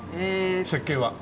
設計は。